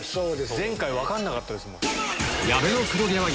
前回分かんなかったですもん。